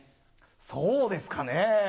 そうですかね。